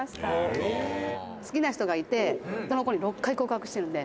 「好きな人がいてその子に６回告白してるんで」